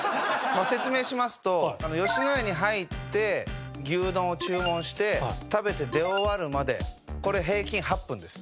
説明しますと野家に入って牛丼を注文して食べて出終わるまでこれ平均８分です。